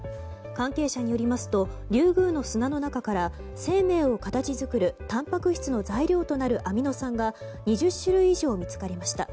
関係者によりますとリュウグウの砂の中から生命を形作るたんぱく質の材料となるアミノ酸が２０種類以上見つかりました。